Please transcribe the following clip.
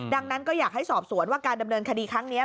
ดังนั้นก็อยากให้สอบสวนว่าการดำเนินคดีครั้งนี้